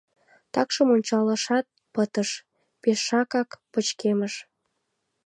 Такшым ончалашат пытыш: пешакак пычкемыш.